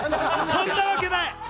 そんなわけない。